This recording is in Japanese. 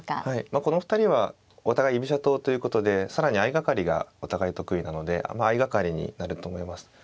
まあこの２人はお互い居飛車党ということで更に相掛かりがお互い得意なので相掛かりになると思います。